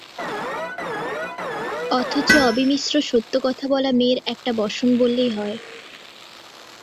অথচ অবিমিশ্র সত্যকথা বলা মেয়ের একটা ব্যসন বললেই হয়।